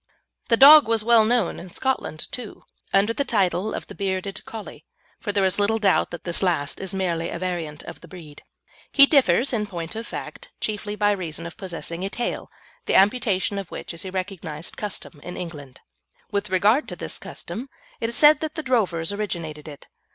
The dog was well known in Scotland, too, under the title of the Bearded Collie, for there is little doubt that this last is merely a variant of the breed. He differs, in point of fact, chiefly by reason of possessing a tail, the amputation of which is a recognised custom in England. With regard to this custom, it is said that the drovers originated it.